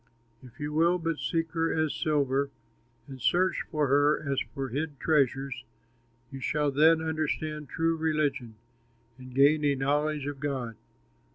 If you will but seek her as silver, And search for her as for hid treasures, You shall then understand true religion, And gain a knowledge of God.